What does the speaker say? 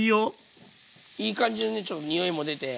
いい感じのねちょっと匂いも出て。